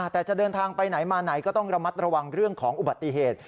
แต่จะเดินทางไปไหนมาไหนก็ต้องระมัดระวังเรื่องของอุบัติเหตุ